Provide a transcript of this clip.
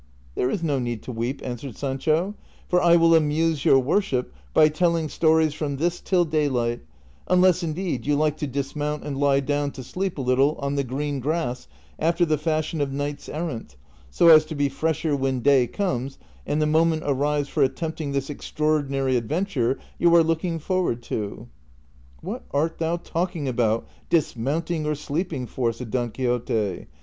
" There is no need to weep," answered Sancho, " for I will amuse your worship by telling stories from this till daylight, unless, indeed, you like to dismount and lie down to sleep a little on the green grass after the fashion of knights errant, so as to be freslier when day comes and the moment arrives for attempting this extraordinary adventure you are looking forward to." '' What art thou talking aboiit dismounting or sleeping for '■'" said Don Quixote.